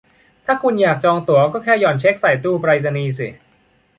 ถ้าคุณอยากจองตั๋วก็แค่หย่อนเช็กใส่ตู้ไปรษณีย์สิ